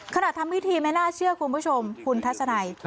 ทำวิธีไม่น่าเชื่อคุณผู้ชมคุณทัศนัย